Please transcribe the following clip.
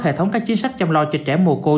hệ thống các chính sách chăm lo cho trẻ mồ côi